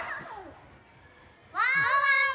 ワンワンも！